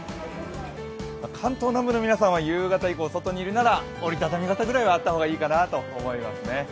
関東南部の皆さんは夕方以降、外にいるなら折りたたみ傘くらいはあった方がいいかなと思いますね。